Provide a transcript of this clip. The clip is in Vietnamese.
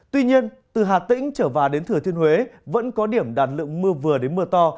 tuy nhiên từ hà tĩnh trở vào đến thừa thiên huế vẫn có điểm đạt lượng mưa vừa đến mưa to